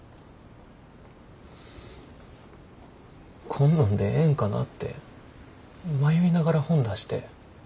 こんなんでええんかなって迷いながら本出して。